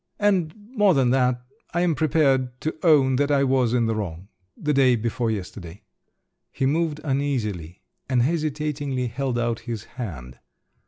"And more than that, I am prepared to own that I was in the wrong—the day before yesterday." He moved uneasily, and hesitatingly held out his hand.